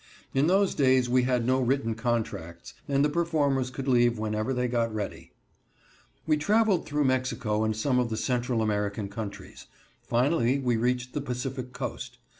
In those days we had no written contracts, and the performers could leave whenever they got ready. We traveled through Mexico and some of the Central American countries. Finally we reached the Pacific coast.